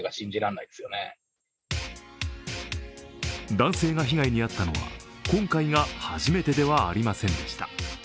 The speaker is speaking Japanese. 男性が被害に遭ったのは今回が初めてではありませんでした。